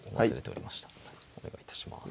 お願い致します